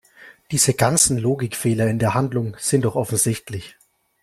Diese ganzen Logikfehler in der Handlung sind doch offensichtlich!